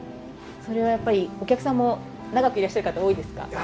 それはやっぱりお客さんも長くいらっしゃる方多いですか？